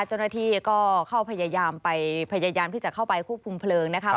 เจ้าหน้าที่ก็เข้าพยายามไปพยายามที่จะเข้าไปควบคุมเพลิงนะครับ